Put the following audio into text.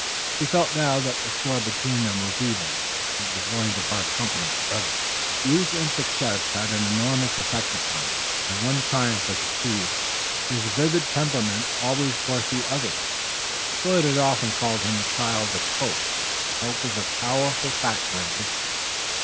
He felt now that the score between them was even, and he was willing to part company forever. Youth and success had an enormous effect upon him. When one triumph was achieved his vivid temperament always foresaw others. Willet had often called him the child of hope, and hope is a powerful factor in victory.